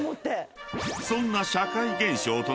［そんな］